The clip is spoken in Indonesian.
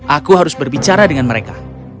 aku harus berbicara dengan mereka